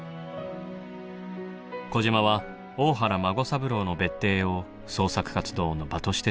児島は大原孫三郎の別邸を創作活動の場として使っていたのです。